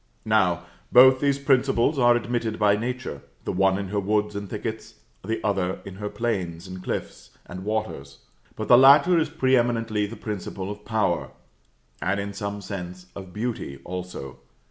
Now, both these principles are admitted by Nature, the one in her woods and thickets, the other in her plains, and cliffs, and waters; but the latter is pre eminently the principle of power, and, in some sense, of beauty also.